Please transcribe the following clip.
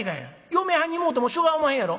嫁はんにもうてもしょうがおまへんやろ」。